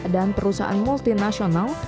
dan perusahaan multinasional